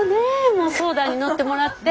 もう相談に乗ってもらって。